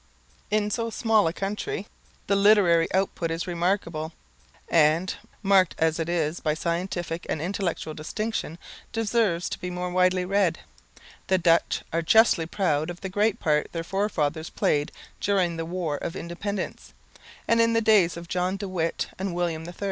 In so small a country the literary output is remarkable, and, marked as it is by scientific and intellectual distinction, deserves to be more widely read. The Dutch are justly proud of the great part their forefathers played during the War of Independence, and in the days of John de Witt and William III.